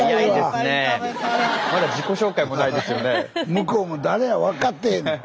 向こうも誰や分かってへん。